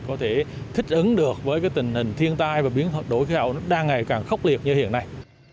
có thể thích ứng được với tình hình thiên tai và biến hợp đổi khí hậu đang ngày càng khốc liệt như hiện nay